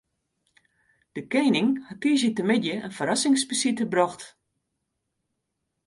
De kening hat tiisdeitemiddei in ferrassingsbesite brocht.